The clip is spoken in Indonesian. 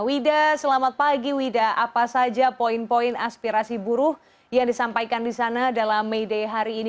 wida selamat pagi wida apa saja poin poin aspirasi buruh yang disampaikan di sana dalam may day hari ini